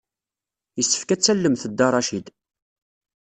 Yessefk ad tallemt Dda Racid.